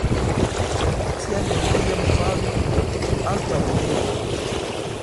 Tial neniam falu antaŭ viro.